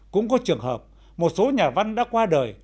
trong những trường hợp một số nhà văn đã qua đời